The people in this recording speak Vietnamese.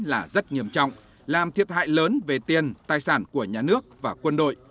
là rất nghiêm trọng làm thiệt hại lớn về tiền tài sản của nhà nước và quân đội